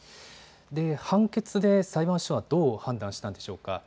判決で裁判所はどう判断したんでしょうか。